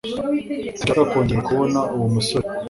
Sinshaka kongera kubona uwo musore